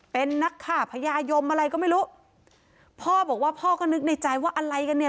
เป็นนักฆ่าพญายมอะไรก็ไม่รู้พ่อบอกว่าพ่อก็นึกในใจว่าอะไรกันเนี่ย